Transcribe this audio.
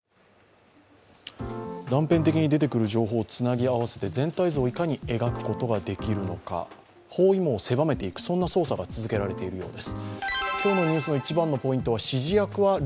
断片的に出てくる情報をつなぎ合わせて全体像をいかに描くことができるのか、包囲網を狭めていく捜査が続けられているようです。